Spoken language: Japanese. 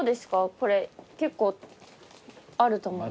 これ結構あると思うけど。